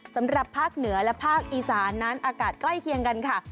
สำหรับภาคเหนือและภาคอีสานนั้นอากาศใกล้เคียงกันค่ะ